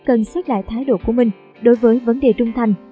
cần xét lại thái độ của mình đối với vấn đề trung thành